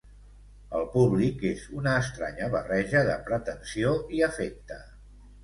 El públic és una estranya barreja de pretensió i afecte.